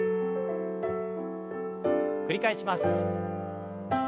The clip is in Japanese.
繰り返します。